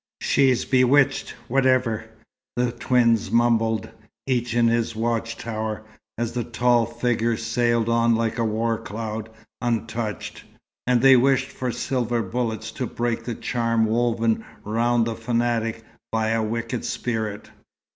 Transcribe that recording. "She's bewitched, whateffer!" the twins mumbled, each in his watch tower, as the tall figure sailed on like a war cloud, untouched. And they wished for silver bullets, to break the charm woven round the "fanatic" by a wicked spirit.